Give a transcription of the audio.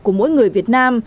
của mỗi người việt nam